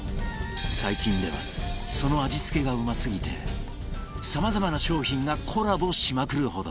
最近ではその味付けがうますぎてさまざまな商品がコラボしまくるほど